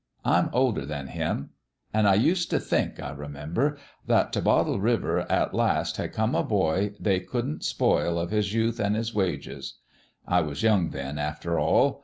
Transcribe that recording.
I'm older than him ; an' I used t' think, I remember, that t' Bottle River at last had come a boy they couldn't spoil of his youth an' his wages. I was young, then, after all.